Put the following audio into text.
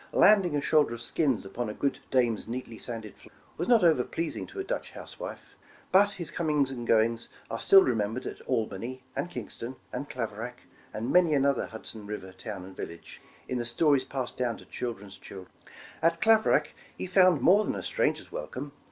Landing a shoulder of skins upon a good dame's neatly sanded floor, was not over pleasing to a Dutch housewife ; but his comings 75 The Original John Jacob Astor and goings are still remembered at Albany, and King ston, and Claverack, and many another Hudson River town and village, in the stories passed down to chil dren's children. At Claverack he found more than a stranger ^s wel come.